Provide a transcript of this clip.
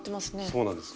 そうなんです。